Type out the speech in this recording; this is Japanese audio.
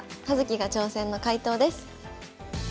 「葉月が挑戦！」の解答です。